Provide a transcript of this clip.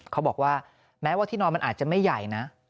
เขาบอกว่าแม้ว่าที่นอนมันอาจจะไม่ใหญ่นะ